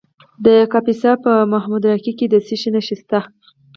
د کاپیسا په محمود راقي کې د څه شي نښې دي؟